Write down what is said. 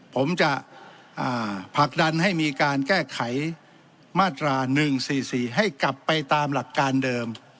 ผมจะผลักดันให้มีการแก้ไขมาตรา๑๔๔ให้กลับไปตามหลักการเดิม